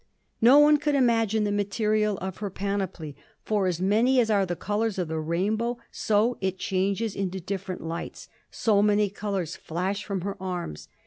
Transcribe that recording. No one could imagine the material of her panoply, for as many as are the colors of the rainbow as it changes into different lights, so many colors flash from her arms.